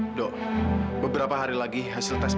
edo beberapa hari lagi hasil tes akan keluar